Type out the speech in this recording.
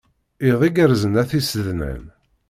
Iḍ igerrzen a tisednan.